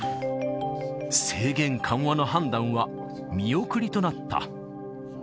制限緩和の判断は、見送りとなった。